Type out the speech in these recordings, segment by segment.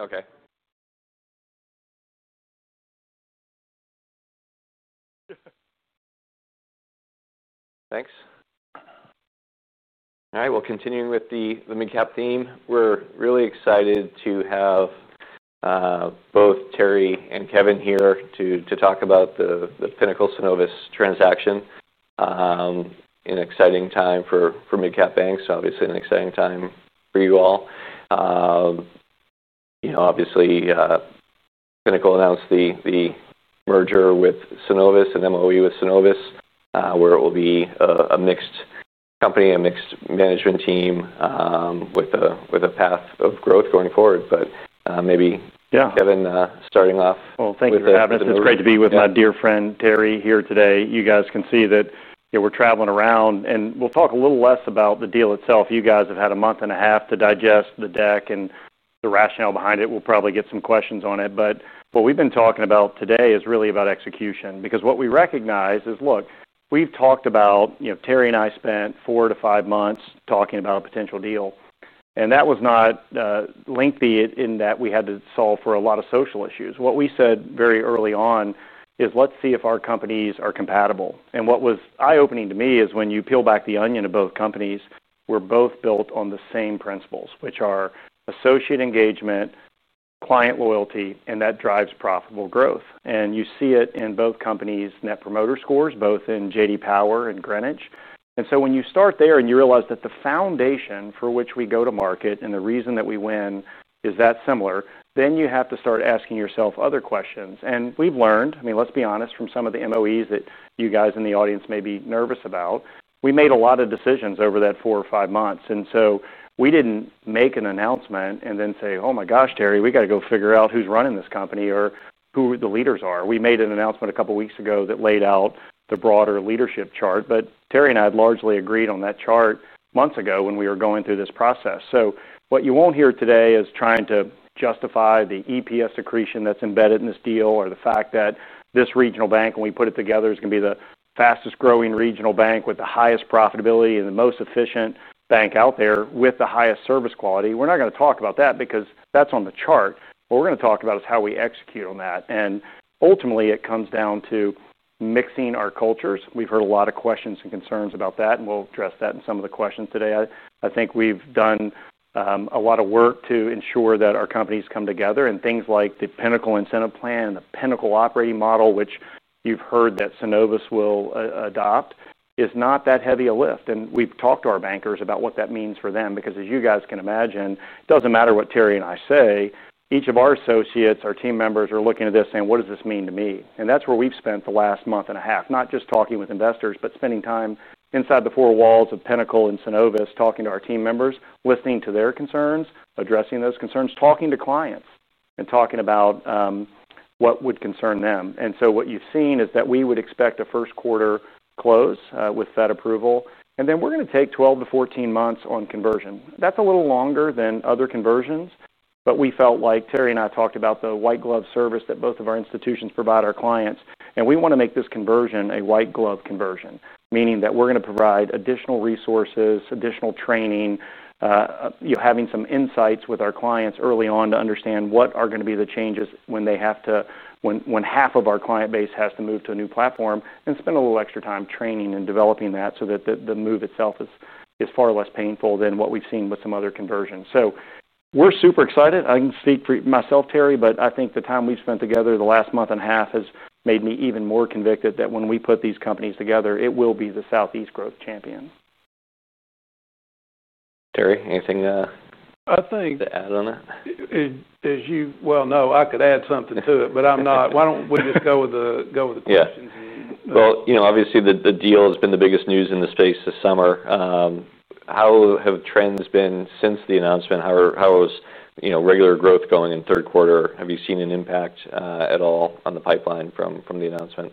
Okay. Thanks. All right. Continuing with the mid-cap theme, we're really excited to have both Terry and Kevin here to talk about the Pinnacle Synovus transaction. It's an exciting time for mid-cap banks, obviously an exciting time for you all. You know, obviously, Pinnacle announced the merger with Synovus, an MOE with Synovus, where it will be a mixed company, a mixed management team, with a path of growth going forward. Maybe, yeah, Kevin, starting off. Thank you for having us. It's great to be with my dear friend Terry here today. You guys can see that we're traveling around and we'll talk a little less about the deal itself. You guys have had a month and a half to digest the deck and the rationale behind it. We'll probably get some questions on it. What we've been talking about today is really about execution because what we recognize is, look, we've talked about, you know, Terry and I spent four to five months talking about a potential deal. That was not lengthy in that we had to solve for a lot of social issues. What we said very early on is let's see if our companies are compatible. What was eye-opening to me is when you peel back the onion of both companies, we're both built on the same principles, which are associate engagement, client loyalty, and that drives profitable growth. You see it in both companies' net promoter scores, both in JD Power and Greenwich. When you start there and you realize that the foundation for which we go to market and the reason that we win is that similar, you have to start asking yourself other questions. We've learned, I mean, let's be honest, from some of the MOEs that you guys in the audience may be nervous about, we made a lot of decisions over that four or five months. We didn't make an announcement and then say, "Oh my gosh, Terry, we got to go figure out who's running this company or who the leaders are." We made an announcement a couple of weeks ago that laid out the broader leadership chart. Terry and I had largely agreed on that chart months ago when we were going through this process. What you won't hear today is trying to justify the EPS secretion that's embedded in this deal or the fact that this regional bank, when we put it together, is going to be the fastest growing regional bank with the highest profitability and the most efficient bank out there with the highest service quality. We're not going to talk about that because that's on the chart. What we're going to talk about is how we execute on that. Ultimately, it comes down to mixing our cultures. We've heard a lot of questions and concerns about that, and we'll address that in some of the questions today. I think we've done a lot of work to ensure that our companies come together and things like the Pinnacle Incentive Plan and the Pinnacle Operating Model, which you've heard that Synovus will adopt, is not that heavy a lift. We have talked to our bankers about what that means for them because, as you guys can imagine, it doesn't matter what Terry and I say. Each of our associates, our team members, are looking at this saying, "What does this mean to me?" That is where we have spent the last month and a half, not just talking with investors, but spending time inside the four walls of Pinnacle Financial Partners and Synovus Financial Corp., talking to our team members, listening to their concerns, addressing those concerns, talking to clients, and talking about what would concern them. You have seen that we would expect a first quarter close, with Fed approval. We are going to take 12 to 14 months on conversion. That is a little longer than other conversions, but we felt like Terry and I talked about the white glove approach that both of our institutions provide our clients. We want to make this conversion a white glove conversion, meaning that we are going to provide additional resources, additional training, having some insights with our clients early on to understand what are going to be the changes when half of our client base has to move to a new platform and spend a little extra time training and developing that so that the move itself is far less painful than what we have seen with some other conversions. We are super excited. I can speak for myself, Terry, but I think the time we have spent together the last month and a half has made me even more convicted that when we put these companies together, it will be the Southeast growth champion. Terry, anything to add on that? As you well know, I could add something to it, but I'm not. Why don't we just go with the questions? Obviously, the deal has been the biggest news in the space this summer. How have trends been since the announcement? How is, you know, regular growth going in third quarter? Have you seen an impact at all on the pipeline from the announcement?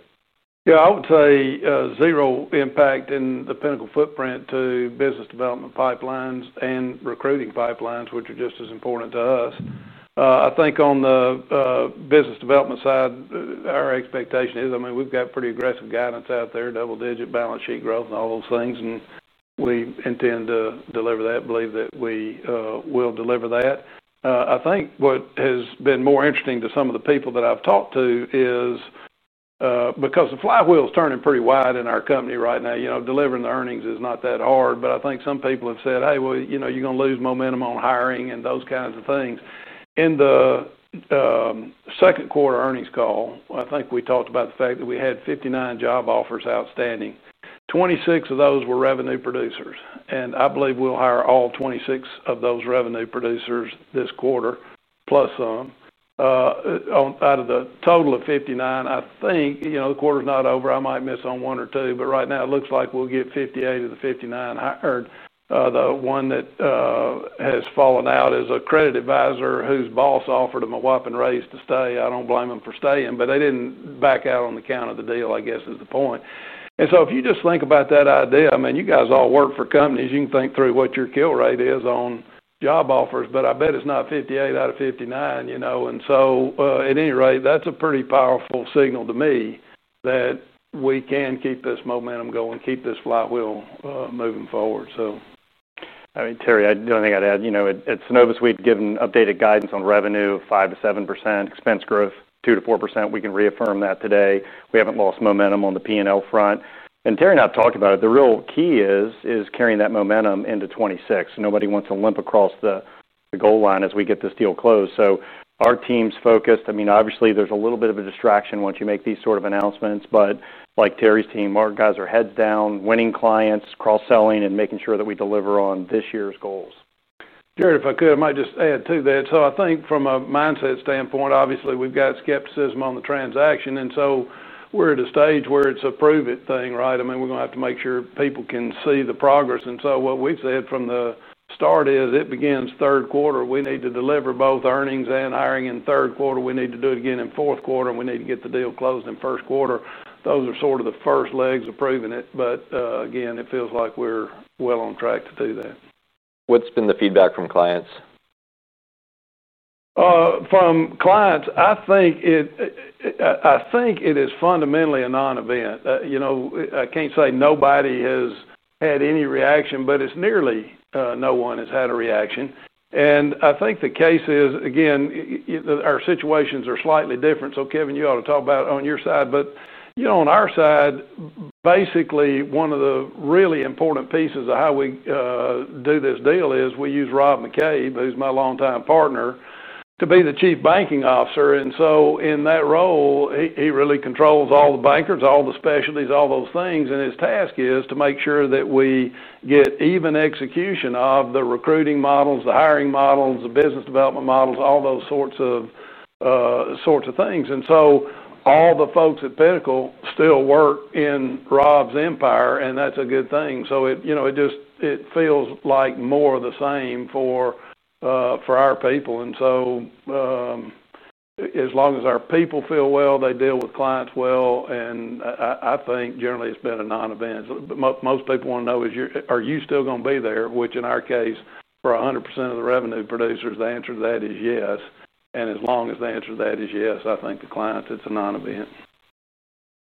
Yeah, I would say zero impact in the Pinnacle footprint to business development pipelines and recruiting pipelines, which are just as important to us. I think on the business development side, our expectation is, I mean, we've got pretty aggressive guidance out there, double-digit balance sheet growth and all those things. We intend to deliver that, believe that we will deliver that. I think what has been more interesting to some of the people that I've talked to is, because the flywheel is turning pretty wide in our company right now. You know, delivering the earnings is not that hard, but I think some people have said, "Hey, well, you know, you're going to lose momentum on hiring and those kinds of things." In the second quarter earnings call, I think we talked about the fact that we had 59 job offers outstanding. 26 of those were revenue producers. I believe we'll hire all 26 of those revenue producers this quarter, plus some. Out of the total of 59, I think, you know, the quarter's not over. I might miss on one or two, but right now it looks like we'll get 58 of the 59 hired. The one that has fallen out is a credit advisor whose boss offered him a whopping raise to stay. I don't blame him for staying, but they didn't back out on the count of the deal, I guess, is the point. If you just think about that idea, I mean, you guys all work for companies. You can think through what your kill rate is on job offers, but I bet it's not 58 out of 59, you know. At any rate, that's a pretty powerful signal to me that we can keep this momentum going, keep this flywheel moving forward. I mean, Terry, the only thing I'd add, at Synovus, we've given updated guidance on revenue, 5% to 7%, expense growth, 2% to 4%. We can reaffirm that today. We haven't lost momentum on the P&L front. Terry and I have talked about it. The real key is carrying that momentum into 2026. Nobody wants to limp across the goal line as we get this deal closed. Our team's focused. Obviously there's a little bit of a distraction once you make these sort of announcements, but like Terry's team, our guys are heads down, winning clients, cross-selling, and making sure that we deliver on this year's goals. If I could, I might just add to that. I think from a mindset standpoint, obviously we've got skepticism on the transaction. We're at a stage where it's a prove it thing, right? I mean, we're going to have to make sure people can see the progress. What we said from the start is it begins third quarter. We need to deliver both earnings and hiring in third quarter. We need to do it again in fourth quarter, and we need to get the deal closed in first quarter. Those are sort of the first legs of proving it. Again, it feels like we're well on track to do that. What's been the feedback from clients? From clients, I think it is fundamentally a non-event. I can't say nobody has had any reaction, but it's nearly no one has had a reaction. I think the case is, again, our situations are slightly different. Kevin, you ought to talk about it on your side. On our side, basically, one of the really important pieces of how we do this deal is we use Rob McCabe, who's my longtime partner, to be the Chief Banking Officer. In that role, he really controls all the bankers, all the specialties, all those things. His task is to make sure that we get even execution of the recruiting models, the hiring models, the business development models, all those sorts of things. All the folks at Pinnacle still work in Rob's empire, and that's a good thing. It just feels like more of the same for our people. As long as our people feel well, they deal with clients well. I think generally it's been a non-event. Most people want to know, are you still going to be there, which in our case, for 100% of the revenue producers, the answer to that is yes. As long as the answer to that is yes, I think the clients, it's a non-event.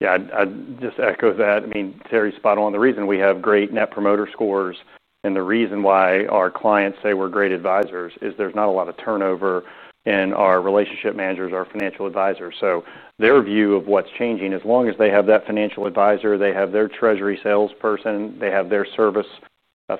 Yeah, I'd just echo that. I mean, Terry's spot on. The reason we have great net promoter scores and the reason why our clients say we're great advisors is there's not a lot of turnover in our relationship managers, our financial advisors. Their view of what's changing, as long as they have that financial advisor, they have their treasury salesperson, they have their service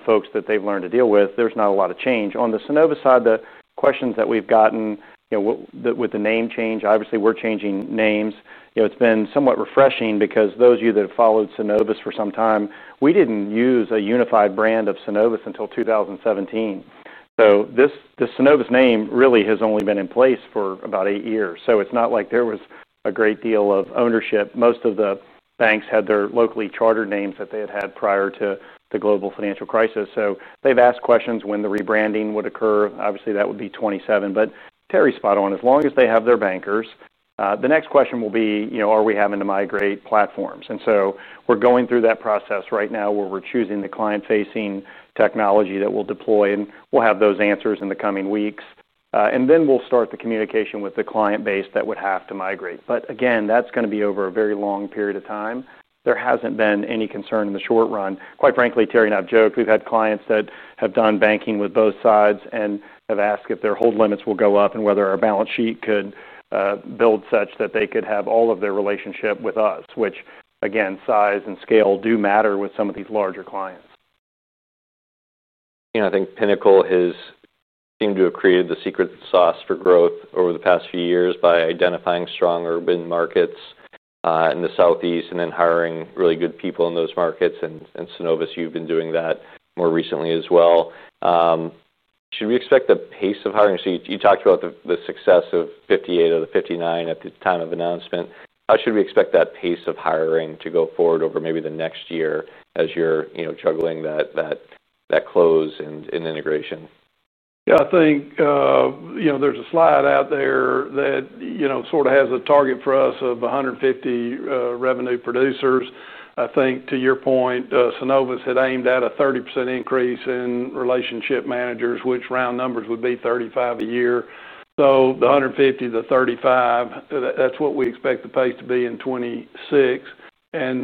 folks that they've learned to deal with, there's not a lot of change. On the Synovus side, the questions that we've gotten, with the name change, obviously we're changing names. It's been somewhat refreshing because those of you that have followed Synovus for some time, we didn't use a unified brand of Synovus until 2017. This Synovus name really has only been in place for about eight years. It's not like there was a great deal of ownership. Most of the banks had their locally chartered names that they had had prior to the global financial crisis. They've asked questions when the rebranding would occur. Obviously, that would be 2027. Terry's spot on. As long as they have their bankers, the next question will be, are we having to migrate platforms? We're going through that process right now where we're choosing the client-facing technology that we'll deploy, and we'll have those answers in the coming weeks. We'll start the communication with the client base that would have to migrate. Again, that's going to be over a very long period of time. There hasn't been any concern in the short run. Quite frankly, Terry and I have joked, we've had clients that have done banking with both sides and have asked if their hold limits will go up and whether our balance sheet could build such that they could have all of their relationship with us, which again, size and scale do matter with some of these larger clients. Yeah, I think Pinnacle has seemed to have created the secret sauce for growth over the past few years by identifying strong urban markets in the Southeast and then hiring really good people in those markets. Synovus, you've been doing that more recently as well. Should we expect the pace of hiring? You talked about the success of 58 of the 59 at the time of announcement. How should we expect that pace of hiring to go forward over maybe the next year as you're juggling that close and integration? Yeah, I think, you know, there's a slide out there that, you know, sort of has a target for us of 150 revenue producers. I think to your point, Synovus had aimed at a 30% increase in relationship managers, which, round numbers, would be 35 a year. The 150, the 35, that's what we expect the pace to be in 2026.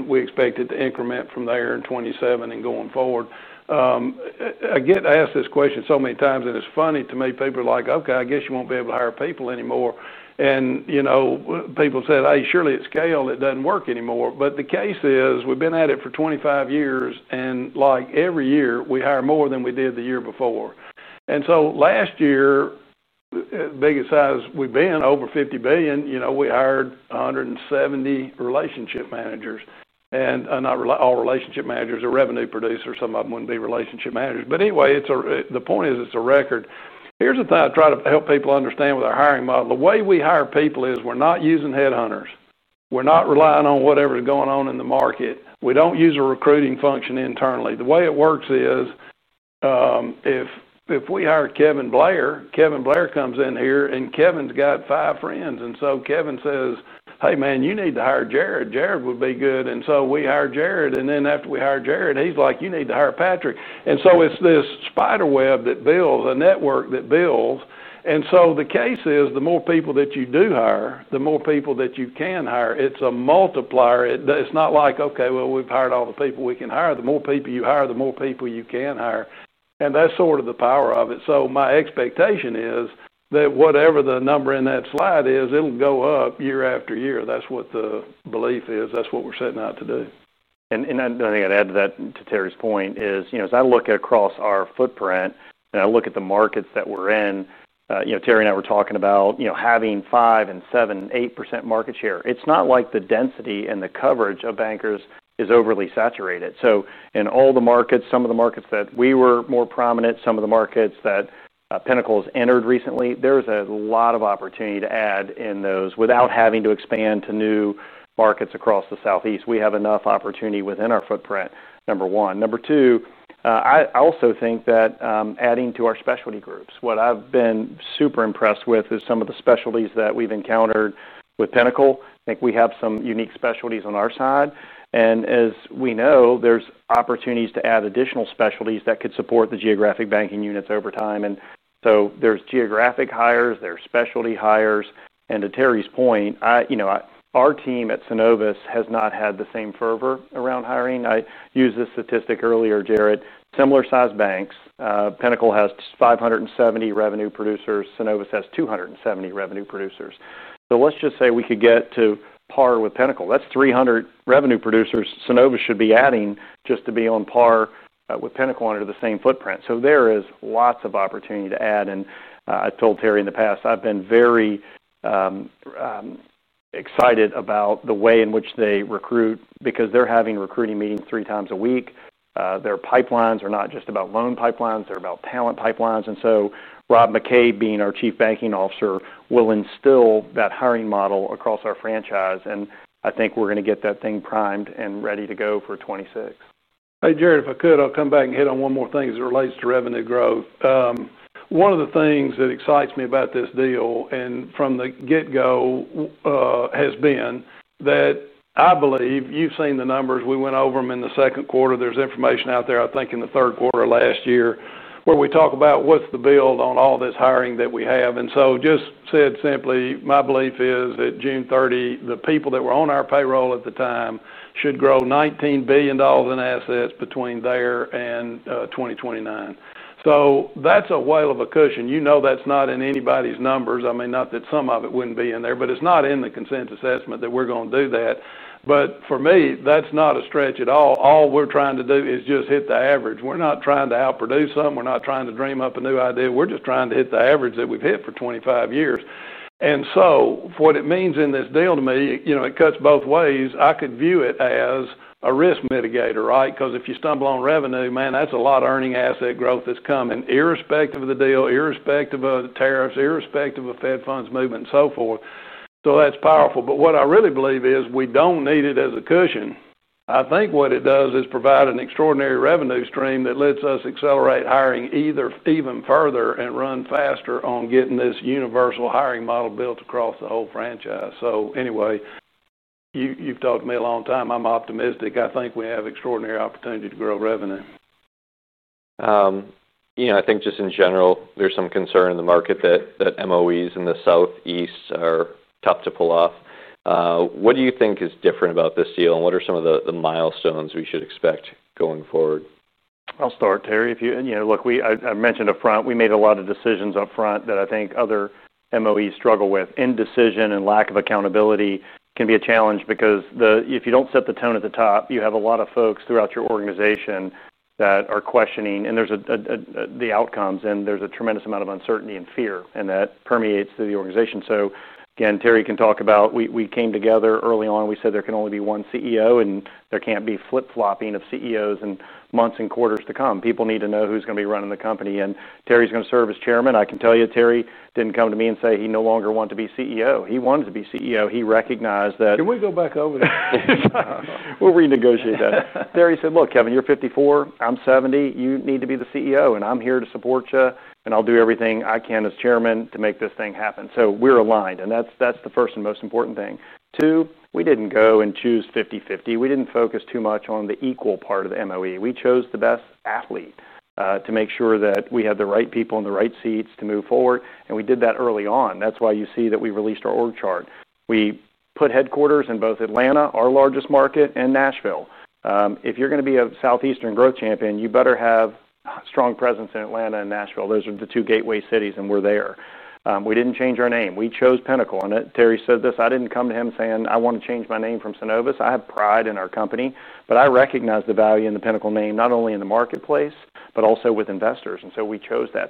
We expect it to increment from there in 2027 and going forward. I get asked this question so many times, and it's funny to me. People are like, "Okay, I guess you won't be able to hire people anymore." People said, "Hey, surely at scale it doesn't work anymore." The case is we've been at it for 25 years, and like every year, we hire more than we did the year before. Last year, the biggest size we've been, over $50 billion, we hired 170 relationship managers. Not all relationship managers are revenue producers. Some of them wouldn't be relationship managers. Anyway, the point is it's a record. Here's the thing I try to help people understand with our hiring model. The way we hire people is we're not using headhunters. We're not relying on whatever's going on in the market. We don't use a recruiting function internally. The way it works is, if we hire Kevin Blair, Kevin Blair comes in here and Kevin's got five friends. Kevin says, "Hey man, you need to hire Jared. Jared would be good." We hire Jared. After we hire Jared, he's like, "You need to hire Patrick." It's this spider web that builds, a network that builds. The case is the more people that you do hire, the more people that you can hire. It's a multiplier. It's not like, "Okay, well, we've hired all the people we can hire." The more people you hire, the more people you can hire. That's sort of the power of it. My expectation is that whatever the number in that slide is, it'll go up year after year. That's what the belief is. That's what we're setting out to do. I think I'd add to that, to Terry's point, as I look across our footprint and I look at the markets that we're in, Terry and I were talking about having 5%, 7%, and 8% market share. It's not like the density and the coverage of bankers is overly saturated. In all the markets, some of the markets that we were more prominent, some of the markets that Pinnacle has entered recently, there's a lot of opportunity to add in those without having to expand to new markets across the Southeast. We have enough opportunity within our footprint, number one. Number two, I also think that adding to our specialty groups, what I've been super impressed with is some of the specialties that we've encountered with Pinnacle. I think we have some unique specialties on our side. As we know, there's opportunities to add additional specialties that could support the geographic banking units over time. There's geographic hires, there's specialty hires. To Terry's point, our team at Synovus has not had the same fervor around hiring. I used this statistic earlier, Jared. Similar size banks, Pinnacle has 570 revenue producers. Synovus has 270 revenue producers. Let's just say we could get to par with Pinnacle. That's 300 revenue producers Synovus should be adding just to be on par with Pinnacle under the same footprint. There is lots of opportunity to add. I've told Terry in the past, I've been very excited about the way in which they recruit because they're having recruiting meetings three times a week. Their pipelines are not just about loan pipelines. They're about talent pipelines. Rob McCabe, being our Chief Banking Officer, will instill that hiring model across our franchise. I think we're going to get that thing primed and ready to go for 2026. Hey, Jared, if I could, I'll come back and hit on one more thing as it relates to revenue growth. One of the things that excites me about this deal and from the get-go, has been that I believe you've seen the numbers. We went over them in the second quarter. There's information out there, I think, in the third quarter of last year where we talk about what's the build on all this hiring that we have. Just said simply, my belief is that June 30, the people that were on our payroll at the time should grow $19 billion in assets between there and 2029. That's a whale of a cushion. That's not in anybody's numbers. Not that some of it wouldn't be in there, but it's not in the consensus estimate that we're going to do that. For me, that's not a stretch at all. All we're trying to do is just hit the average. We're not trying to outproduce something. We're not trying to dream up a new idea. We're just trying to hit the average that we've hit for 25 years. What it means in this deal to me, it cuts both ways. I could view it as a risk mitigator, right? If you stumble on revenue, man, that's a lot of earning asset growth that's coming irrespective of the deal, irrespective of the tariffs, irrespective of Fed funds movement, and so forth. That's powerful. What I really believe is we don't need it as a cushion. I think what it does is provide an extraordinary revenue stream that lets us accelerate hiring even further and run faster on getting this universal hiring model built across the whole franchise. Anyway, you've talked to me a long time. I'm optimistic. I think we have extraordinary opportunity to grow revenue. You know, I think just in general, there's some concern in the market that MOEs in the Southeast are tough to pull off. What do you think is different about this deal, and what are some of the milestones we should expect going forward? I'll start, Terry. If you look, I mentioned up front, we made a lot of decisions up front that I think other MOEs struggle with. Indecision and lack of accountability can be a challenge because if you don't set the tone at the top, you have a lot of folks throughout your organization that are questioning, and there's the outcomes, and there's a tremendous amount of uncertainty and fear, and that permeates through the organization. Terry can talk about we came together early on. We said there can only be one CEO, and there can't be flip-flopping of CEOs in months and quarters to come. People need to know who's going to be running the company, and Terry's going to serve as Chairman. I can tell you, Terry didn't come to me and say he no longer wanted to be CEO. He wanted to be CEO. He recognized that. Can we go back over that? We'll renegotiate that. Terry said, "Look, Kevin, you're 54, I'm 70, you need to be the CEO, and I'm here to support you, and I'll do everything I can as Chairman to make this thing happen." We're aligned, and that's the first and most important thing. Two, we didn't go and choose 50-50. We didn't focus too much on the equal part of the MOE. We chose the best athlete to make sure that we had the right people in the right seats to move forward, and we did that early on. That's why you see that we released our org chart. We put headquarters in both Atlanta, our largest market, and Nashville. If you're going to be a Southeastern growth champion, you better have a strong presence in Atlanta and Nashville. Those are the two gateway cities, and we're there. We didn't change our name. We chose Pinnacle. Terry said this, I didn't come to him saying, "I want to change my name from Synovus." I have pride in our company, but I recognize the value in the Pinnacle name, not only in the marketplace, but also with investors. We chose that.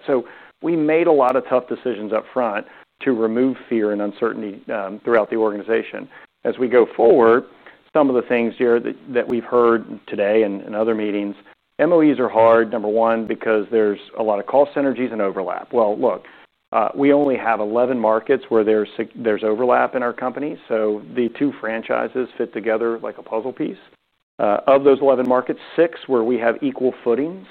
We made a lot of tough decisions up front to remove fear and uncertainty throughout the organization. As we go forward, some of the things, Jared, that we've heard today and in other meetings, MOEs are hard, number one, because there's a lot of call synergies and overlap. We only have 11 markets where there's overlap in our company. The two franchises fit together like a puzzle piece. Of those 11 markets, six where we have equal footings,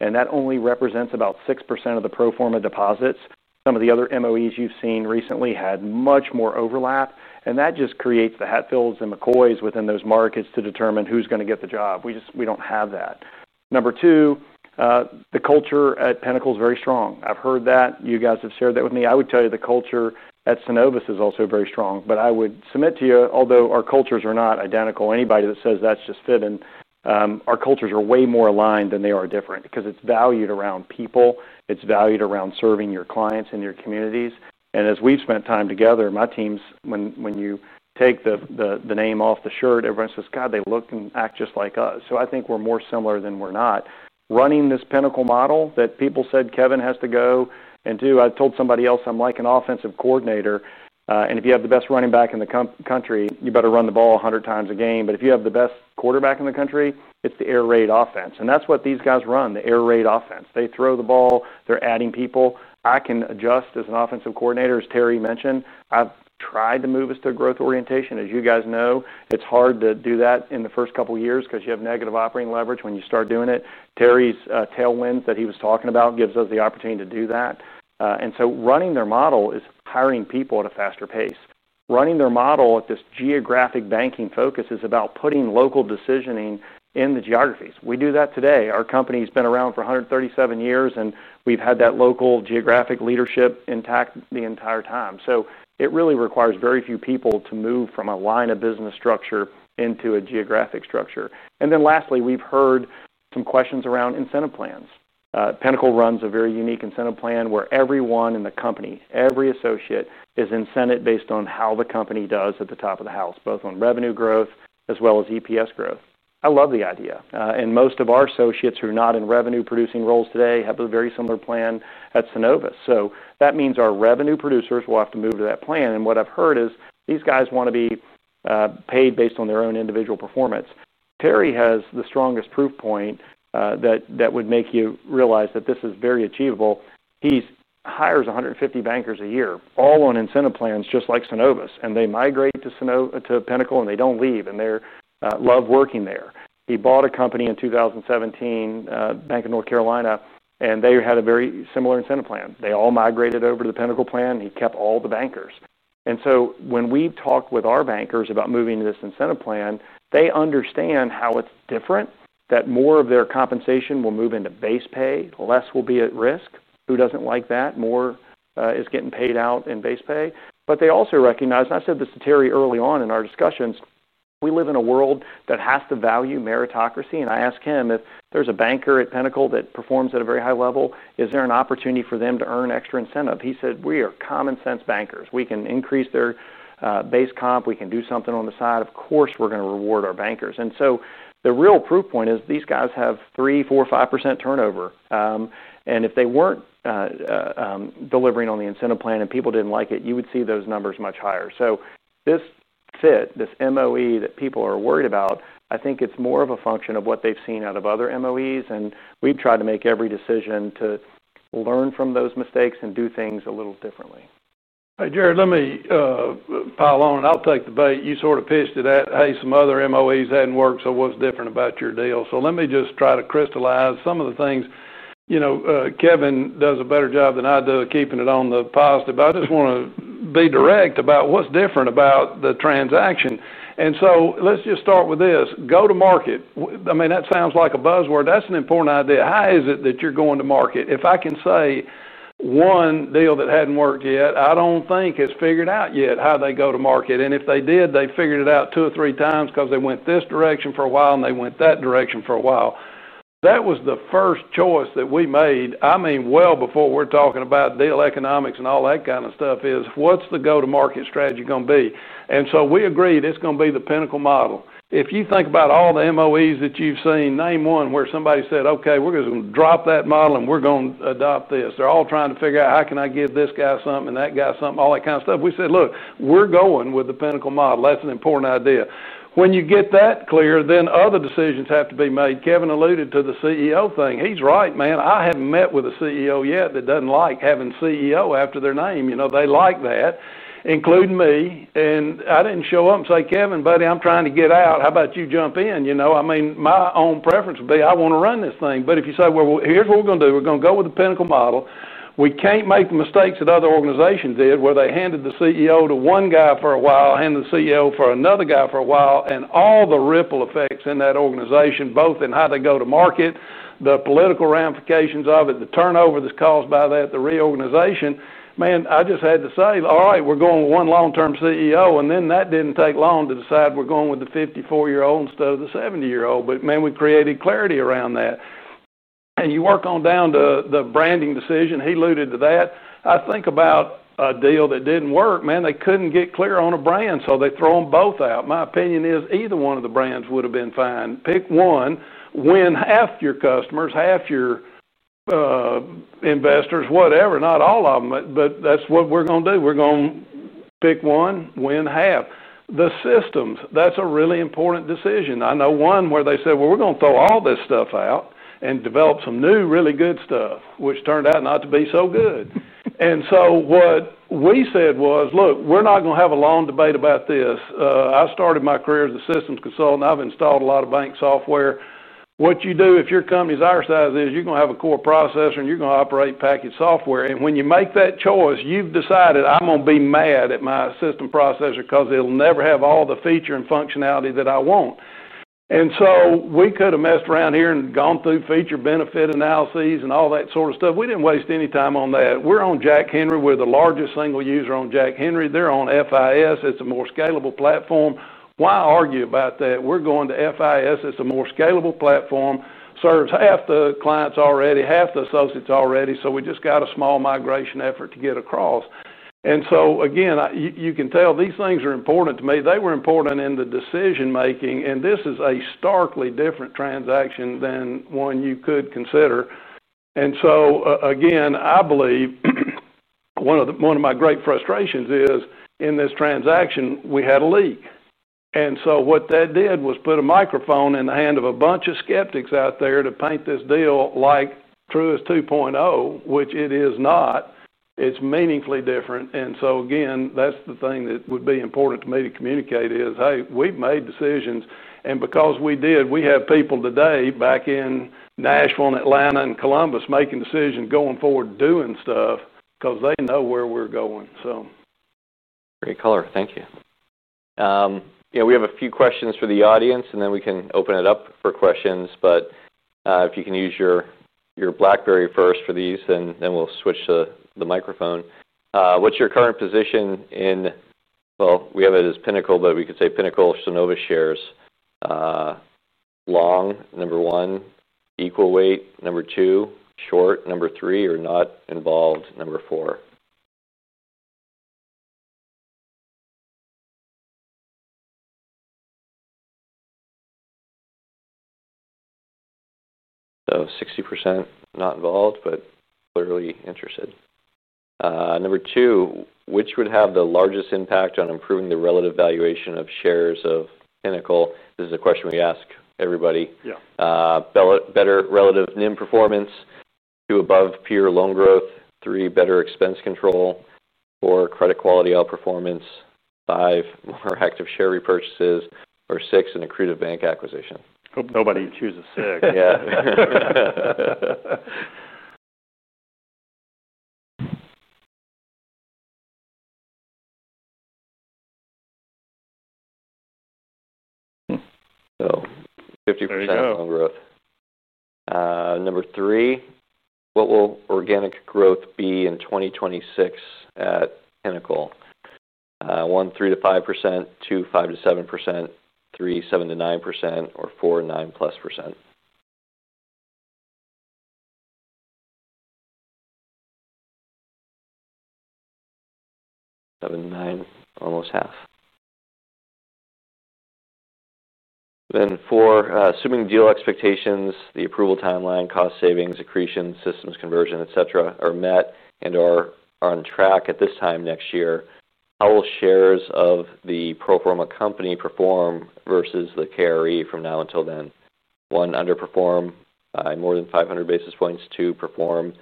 and that only represents about 6% of the pro forma deposits. Some of the other MOEs you've seen recently had much more overlap, and that just creates the Hatfields and the Coys within those markets to determine who's going to get the job. We don't have that. Number two, the culture at Pinnacle is very strong. I've heard that. You guys have shared that with me. I would tell you the culture at Synovus is also very strong, but I would submit to you, although our cultures are not identical, anybody that says that's just fitting. Our cultures are way more aligned than they are different because it's valued around people. It's valued around serving your clients and your communities. As we've spent time together, my teams, when you take the name off the shirt, everybody says, "God, they look and act just like us." I think we're more similar than we're not. Running this Pinnacle model that people said Kevin has to go and do, I've told somebody else I'm like an offensive coordinator. If you have the best running back in the country, you better run the ball 100 times a game. If you have the best quarterback in the country, it's the air raid offense. That's what these guys run, the air raid offense. They throw the ball. They're adding people. I can adjust as an offensive coordinator, as Terry mentioned. I've tried to move us to a growth orientation. As you guys know, it's hard to do that in the first couple of years because you have negative operating leverage when you start doing it. Terry's tailwind that he was talking about gives us the opportunity to do that. Running their model is hiring people at a faster pace. Running their model with this geographic banking focus is about putting local decisioning in the geographies. We do that today. Our company's been around for 137 years, and we've had that local geographic leadership intact the entire time. It really requires very few people to move from a line of business structure into a geographic structure. Lastly, we've heard some questions around incentive plans. Pinnacle runs a very unique incentive plan where everyone in the company, every associate, is incented based on how the company does at the top of the house, both on revenue growth as well as EPS growth. I love the idea. Most of our associates who are not in revenue-producing roles today have a very similar plan at Synovus. That means our revenue producers will have to move to that plan. What I've heard is these guys want to be paid based on their own individual performance. Terry has the strongest proof point that that would make you realize that this is very achievable. He hires 150 bankers a year, all on incentive plans just like Synovus. They migrate to Pinnacle, and they don't leave, and they love working there. He bought a company in 2017, Bank of North Carolina, and they had a very similar incentive plan. They all migrated over to the Pinnacle plan. He kept all the bankers. When we talk with our bankers about moving to this incentive plan, they understand how it's different that more of their compensation will move into base pay, less will be at risk. Who doesn't like that? More is getting paid out in base pay. They also recognize, and I said this to Terry early on in our discussions, we live in a world that has to value meritocracy. I asked him if there's a banker at Pinnacle that performs at a very high level, is there an opportunity for them to earn extra incentive? He said, "We are common sense bankers. We can increase their base comp. We can do something on the side. Of course, we're going to reward our bankers." The real proof point is these guys have 3%, 4%, 5% turnover. If they weren't delivering on the incentive plan and people didn't like it, you would see those numbers much higher. This fit, this MOE that people are worried about, I think it's more of a function of what they've seen out of other MOEs. We've tried to make every decision to learn from those mistakes and do things a little differently. Hey, Jared, let me pile on and I'll take the bait. You sort of pitched it at, "Hey, some other MOEs hadn't worked, so what's different about your deal?" Let me just try to crystallize some of the things. You know, Kevin does a better job than I do of keeping it on the positive, but I just want to be direct about what's different about the transaction. Let's just start with this. Go to market. That sounds like a buzzword. That's an important idea. How is it that you're going to market? If I can say one deal that hadn't worked yet, I don't think has figured out yet how they go to market. If they did, they figured it out two or three times because they went this direction for a while and they went that direction for a while. That was the first choice that we made, well before we're talking about deal economics and all that kind of stuff, is what's the go-to-market strategy going to be? We agreed it's going to be the Pinnacle model. If you think about all the MOEs that you've seen, name one where somebody said, "Okay, we're just going to drop that model and we're going to adopt this." They're all trying to figure out how can I give this guy something and that guy something, all that kind of stuff. We said, "Look, we're going with the Pinnacle model. That's an important idea." When you get that clear, then other decisions have to be made. Kevin alluded to the CEO thing. He's right, man. I haven't met with a CEO yet that doesn't like having CEO after their name. They like that, including me. I didn't show up and say, "Kevin, buddy, I'm trying to get out. How about you jump in?" My own preference would be I want to run this thing. If you say, "Here's what we're going to do. We're going to go with the Pinnacle model." We can't make the mistakes that other organizations did where they handed the CEO to one guy for a while, handed the CEO for another guy for a while, and all the ripple effects in that organization, both in how they go to market, the political ramifications of it, the turnover that's caused by that, the reorganization. I just had to say, "All right, we're going with one long-term CEO." That didn't take long to decide we're going with the 54-year-old instead of the 70-year-old. We created clarity around that. You work on down to the branding decision. He alluded to that. I think about a deal that didn't work. Man, they couldn't get clear on a brand, so they throw them both out. My opinion is either one of the brands would have been fine. Pick one, win half your customers, half your investors, whatever, not all of them. That's what we're going to do. We're going to pick one, win half. The systems, that's a really important decision. I know one where they said, "We're going to throw all this stuff out and develop some new really good stuff," which turned out not to be so good. What we said was, "Look, we're not going to have a long debate about this." I started my career as a systems consultant. I've installed a lot of bank software. What you do if your company's our size is you're going to have a core processor and you're going to operate packaged software. When you make that choice, you've decided, "I'm going to be mad at my system processor because it'll never have all the feature and functionality that I want." We could have messed around here and gone through feature benefit analyses and all that sort of stuff. We didn't waste any time on that. We're on Jack Henry. We're the largest single user on Jack Henry. They're on FIS. It's a more scalable platform. Why argue about that? We're going to FIS. It's a more scalable platform. Serves half the clients already, half the associates already. We just got a small migration effort to get across. You can tell these things are important to me. They were important in the decision-making. This is a starkly different transaction than one you could consider. I believe one of my great frustrations is in this transaction, we had a leak. What that did was put a microphone in the hand of a bunch of skeptics out there to paint this deal like Truist 2.0, which it is not. It's meaningfully different. That's the thing that would be important to me to communicate is, "Hey, we've made decisions." Because we did, we have people today back in Nashville and Atlanta and Columbus making decisions going forward doing stuff because they know where we're going. Great caller. Thank you. We have a few questions for the audience, and then we can open it up for questions. If you can use your Blackberry first for these, and then we'll switch to the microphone. What's your current position in, we have it as Pinnacle, but we could say Pinnacle Synovus shares. Long, number one, equal weight, number two, short, number three, or not involved, number four. 60% not involved, but clearly interested. Number two, which would have the largest impact on improving the relative valuation of shares of Pinnacle? This is a question we ask everybody. Better relative NIM performance, two above peer loan growth, three, better expense control, four, credit quality outperformance, five, more active share repurchases, or six, an accrued bank acquisition. Hope nobody chooses six. Yeah. 50% on growth. Number three, what will organic growth be in 2026 at Pinnacle? One, 3% to 5%. Two, 5% to 7%. Three, 7% to 9%. Or four, 9% plus. Seven, nine, almost half. Four, assuming deal expectations, the approval timeline, cost savings, accretion, systems conversion, etc., are met and are on track at this time next year, how will shares of the pro forma company perform versus the KRE from now until then? One, underperform by more than 500 basis points. Two, perform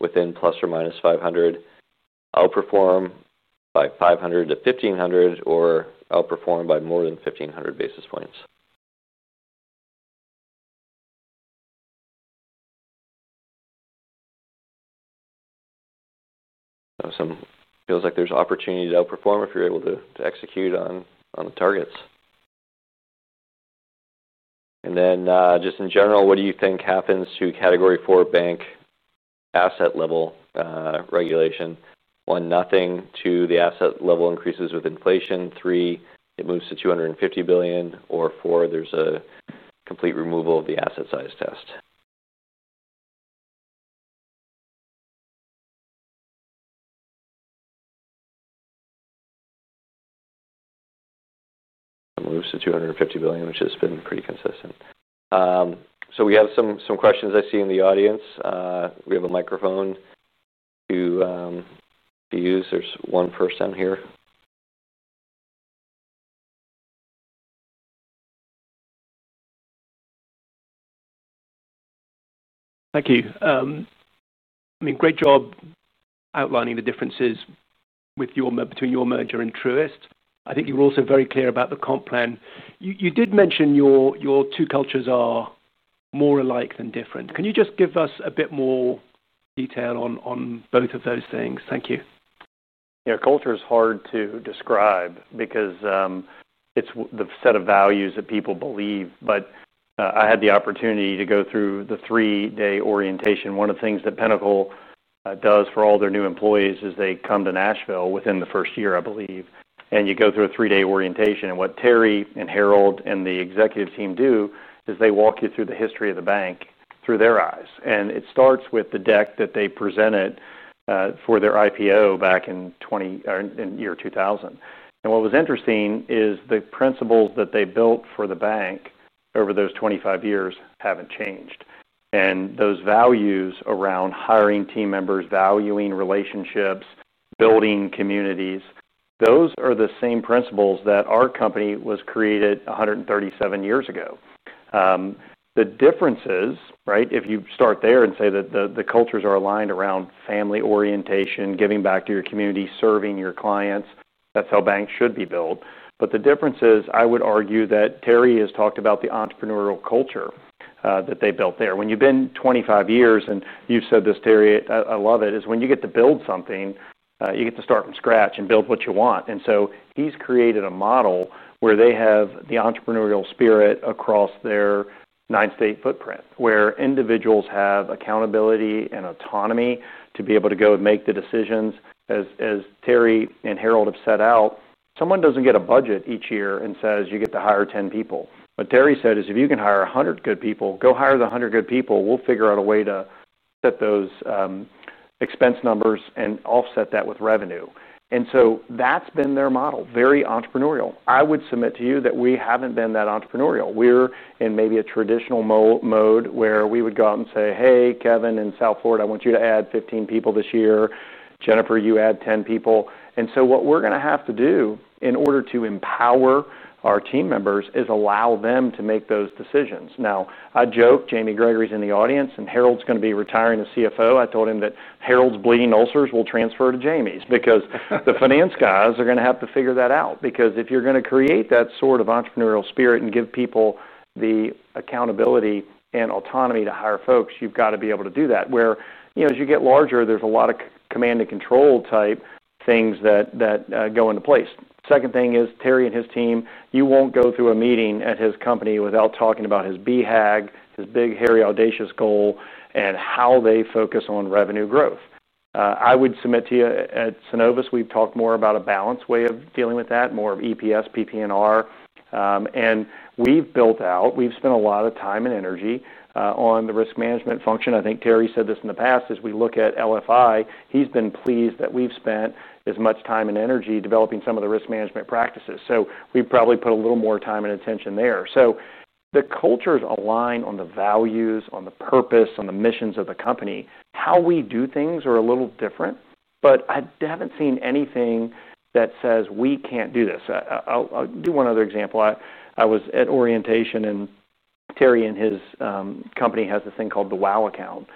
within plus or minus 500. Outperform by 500 to 1,500 or outperform by more than 1,500 basis points. Feels like there's opportunity to outperform if you're able to execute on the targets. In general, what do you think happens to category four bank asset level regulation? One, nothing. Two, the asset level increases with inflation. Three, it moves to $250 billion. Or four, there's a complete removal of the asset size test. I'm going to move to $250 billion, which has been pretty consistent. We have some questions I see in the audience. We have a microphone to use. There's one first down here. Thank you. Great job outlining the differences between your merger and Truist. I think you were also very clear about the comp plan. You did mention your two cultures are more alike than different. Can you just give us a bit more detail on both of those things? Thank you. Yeah, culture is hard to describe because it's the set of values that people believe. I had the opportunity to go through the three-day orientation. One of the things that Pinnacle does for all their new employees is they come to Nashville within the first year, I believe, and you go through a three-day orientation. What Terry and Harold and the executive team do is they walk you through the history of the bank through their eyes. It starts with the deck that they presented for their IPO back in the year 2000. What was interesting is the principles that they built for the bank over those 25 years haven't changed. Those values around hiring team members, valuing relationships, building communities, those are the same principles that our company was created 137 years ago. The differences, right, if you start there and say that the cultures are aligned around family orientation, giving back to your community, serving your clients, that's how banks should be built. The difference is I would argue that Terry has talked about the entrepreneurial culture that they built there. When you've been 25 years, and you've said this, Terry, I love it, is when you get to build something, you get to start from scratch and build what you want. He's created a model where they have the entrepreneurial spirit across their nine-state footprint, where individuals have accountability and autonomy to be able to go and make the decisions. As Terry and Harold have set out, someone doesn't get a budget each year and says, "You get to hire 10 people." What Terry said is, "If you can hire 100 good people, go hire the 100 good people. We'll figure out a way to set those expense numbers and offset that with revenue." That's been their model, very entrepreneurial. I would submit to you that we haven't been that entrepreneurial. We're in maybe a traditional mode where we would go out and say, "Hey, Kevin in South Florida, I want you to add 15 people this year. Jennifer, you add 10 people." What we're going to have to do in order to empower our team members is allow them to make those decisions. I joke, Jamie Gregory's in the audience and Harold's going to be retiring as CFO. I told him that Harold's bleeding ulcers will transfer to Jamie's because the finance guys are going to have to figure that out. Because if you're going to create that sort of entrepreneurial spirit and give people the accountability and autonomy to hire folks, you've got to be able to do that. Where, you know, as you get larger, there's a lot of command and control type things that go into place. The second thing is Terry and his team, you won't go through a meeting at his company without talking about his BHAG, his big hairy audacious goal, and how they focus on revenue growth. I would submit to you at Synovus, we've talked more about a balanced way of dealing with that, more of EPS, PP&R, and we've built out, we've spent a lot of time and energy, on the risk management function. I think Terry said this in the past, as we look at LFI, he's been pleased that we've spent as much time and energy developing some of the risk management practices. We've probably put a little more time and attention there. The cultures align on the values, on the purpose, on the missions of the company. How we do things are a little different, but I haven't seen anything that says we can't do this. I'll do one other example. I was at orientation and Terry and his company have this thing called the WOW account.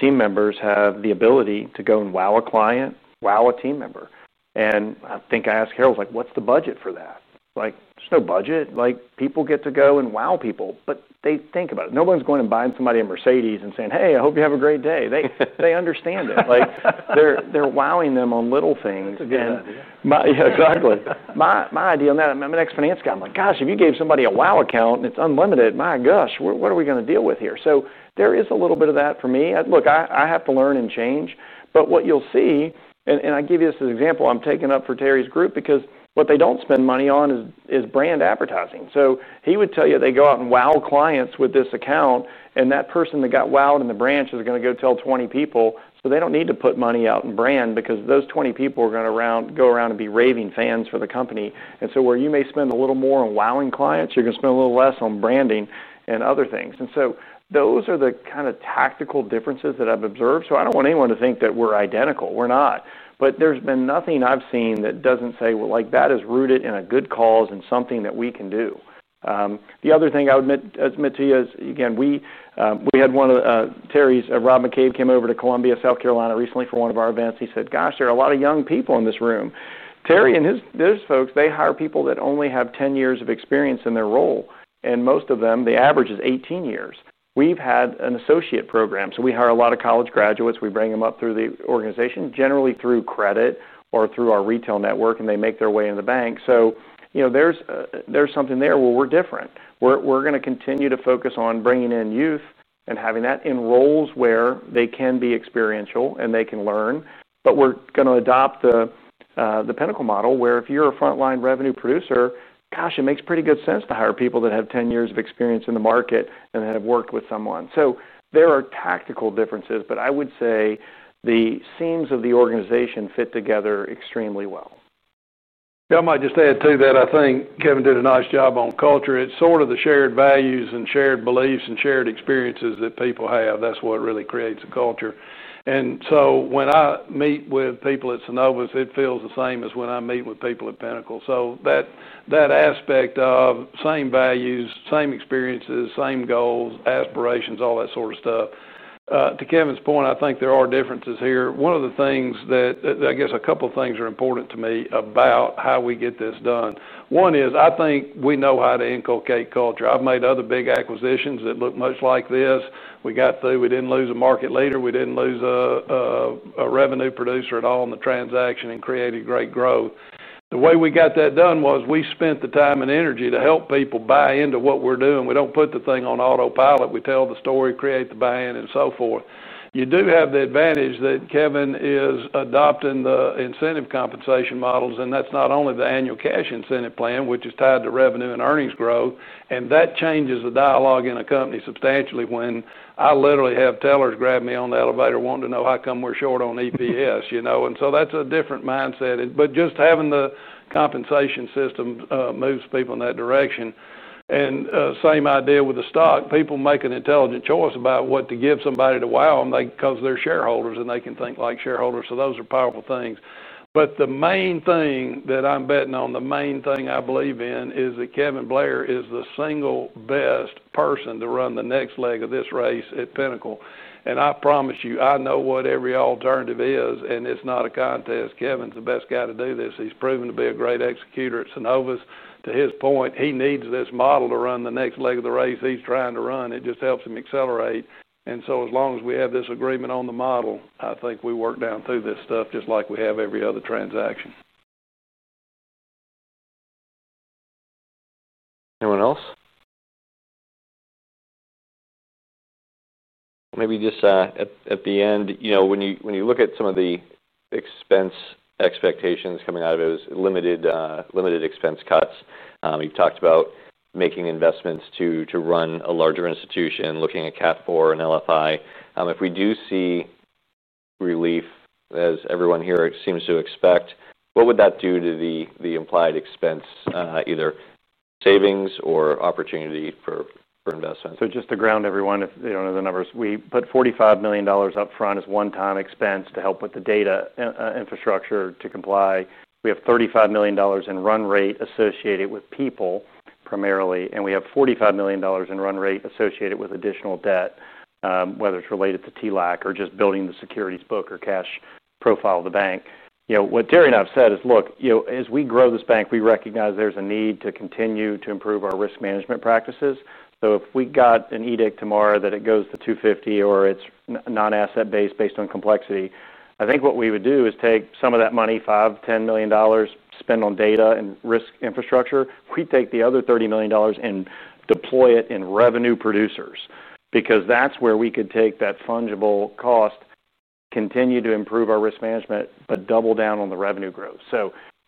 Team members have the ability to go and WOW a client, WOW a team member. I think I asked Harold, like, "What's the budget for that?" Like, there's no budget. People get to go and WOW people, but they think about it. Nobody's going and buying somebody a Mercedes and saying, "Hey, I hope you have a great day." They understand it. They're WOWing them on little things. It's a good idea. Yeah, exactly. My idea on that, I'm an ex-finance guy. I'm like, "Gosh, if you gave somebody a WOW account and it's unlimited, my gosh, what are we going to deal with here?" There is a little bit of that for me. Look, I have to learn and change. What you'll see, and I give you this as an example, I'm taking up for Terry's group because what they don't spend money on is brand advertising. He would tell you they go out and WOW clients with this account, and that person that got WOWed in the branch is going to go tell 20 people. They don't need to put money out in brand because those 20 people are going to go around and be raving fans for the company. Where you may spend a little more on WOWing clients, you're going to spend a little less on branding and other things. Those are the kind of tactical differences that I've observed. I don't want anyone to think that we're identical. We're not. There's been nothing I've seen that doesn't say, "Well, that is rooted in a good cause and something that we can do." The other thing I would admit to you is, we had one of Terry's, Rob McCabe came over to Columbia, South Carolina recently for one of our events. He said, "Gosh, there are a lot of young people in this room." Terry and his folks, they hire people that only have 10 years of experience in their role. Most of them, the average is 18 years. We've had an associate program. We hire a lot of college graduates. We bring them up through the organization, generally through credit or through our retail network, and they make their way into the bank. There's something there. We're different. We're going to continue to focus on bringing in youth and having that in roles where they can be experiential and they can learn. We're going to adopt the Pinnacle Operating Model where if you're a frontline revenue producer, it makes pretty good sense to hire people that have 10 years of experience in the market and that have worked with someone. There are tactical differences, but I would say the seams of the organization fit together extremely well. Yeah, I might just add to that. I think Kevin did a nice job on culture. It's sort of the shared values and shared beliefs and shared experiences that people have. That's what really creates a culture. When I meet with people at Synovus, it feels the same as when I meet with people at Pinnacle. That aspect of same values, same experiences, same goals, aspirations, all that sort of stuff. To Kevin's point, I think there are differences here. One of the things that, I guess, a couple of things are important to me about how we get this done. One is I think we know how to inculcate culture. I've made other big acquisitions that look much like this. We got through. We didn't lose a market leader. We didn't lose a revenue producer at all in the transaction and created great growth. The way we got that done was we spent the time and energy to help people buy into what we're doing. We don't put the thing on autopilot. We tell the story, create the buy-in, and so forth. You do have the advantage that Kevin is adopting the incentive compensation models, and that's not only the annual cash incentive plan, which is tied to revenue and earnings growth. That changes the dialogue in a company substantially when I literally have tellers grab me on the elevator wanting to know how come we're short on EPS, you know. That's a different mindset. Just having the compensation system moves people in that direction. Same idea with the stock. People make an intelligent choice about what to give somebody to WOW them because they're shareholders and they can think like shareholders. Those are powerful things. The main thing that I'm betting on, the main thing I believe in is that Kevin Blair is the single best person to run the next leg of this race at Pinnacle. I promise you, I know what every alternative is, and it's not a contest. Kevin's the best guy to do this. He's proven to be a great executor at Synovus. To his point, he needs this model to run the next leg of the race he's trying to run. It just helps him accelerate. As long as we have this agreement on the model, I think we work down through this stuff just like we have every other transaction. Anyone else? Maybe just at the end, when you look at some of the expense expectations coming out of it, it was limited expense cuts. You talked about making investments to run a larger institution, looking at category four bank asset level regulation and LFI. If we do see relief, as everyone here seems to expect, what would that do to the implied expense, either savings or opportunity for investment? Just to ground everyone, if they don't know the numbers, we put $45 million up front as one-time expense to help with the data infrastructure to comply. We have $35 million in run rate associated with people primarily, and we have $45 million in run rate associated with additional debt, whether it's related to TLAC or just building the securities book or cash profile of the bank. What Terry and I have said is, look, as we grow this bank, we recognize there's a need to continue to improve our risk management practices. If we got an edict tomorrow that it goes to $250 million or it's non-asset based based on complexity, I think what we would do is take some of that money, $5-10 million spent on data and risk infrastructure, retake the other $30 million and deploy it in revenue producers because that's where we could take that fungible cost, continue to improve our risk management, but double down on the revenue growth.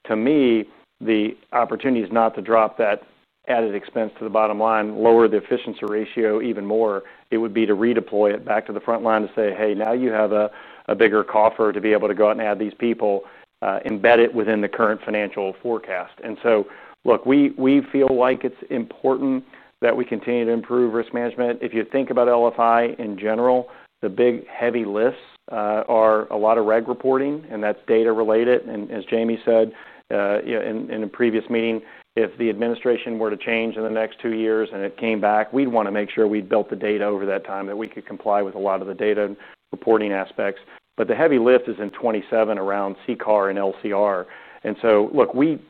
To me, the opportunity is not to drop that added expense to the bottom line, lower the efficiency ratio even more. It would be to redeploy it back to the front line to say, "Hey, now you have a bigger coffer to be able to go out and have these people embed it within the current financial forecast." We feel like it's important that we continue to improve risk management. If you think about LFI in general, the big heavy lists are a lot of reg reporting, and that's data related. As Jamie said in a previous meeting, if the administration were to change in the next two years and it came back, we'd want to make sure we built the data over that time that we could comply with a lot of the data reporting aspects. The heavy lift is in 2027 around CCAR and LCR.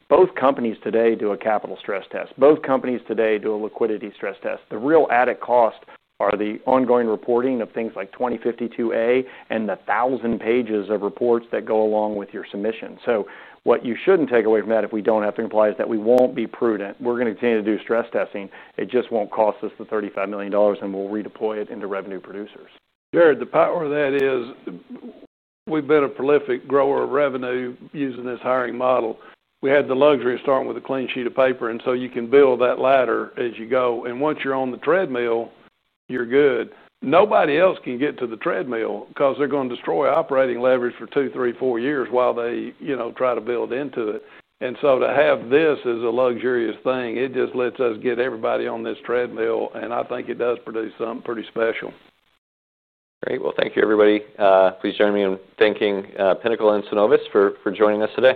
Both companies today do a capital stress test. Both companies today do a liquidity stress test. The real added cost are the ongoing reporting of things like 2052A and the thousand pages of reports that go along with your submission. What you shouldn't take away from that if we don't have to comply is that we won't be prudent. We're going to continue to do stress testing. It just won't cost us the $35 million, and we'll redeploy it into revenue producers. Jared, the power of that is we've been a prolific grower of revenue using this hiring model. We had the luxury of starting with a clean sheet of paper, so you can build that ladder as you go. Once you're on the treadmill, you're good. Nobody else can get to the treadmill because they're going to destroy operating leverage for two, three, four years while they try to build into it. To have this as a luxurious thing, it just lets us get everybody on this treadmill. I think it does produce something pretty special. Great. Thank you, everybody. Please join me in thanking Pinnacle Financial Partners and Synovus Financial Corp. for joining us today.